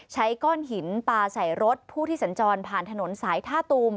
ใช้ก้อนหินปลาใส่รถผู้ที่สัญจรผ่านถนนสายท่าตูม